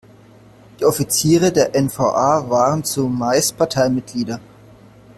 Die Offiziere der N-V-A waren zumeist Parteimitglieder.